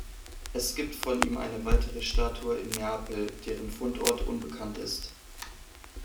Es gibt von ihm eine weitere Statue in Neapel, deren Fundort unbekannt ist.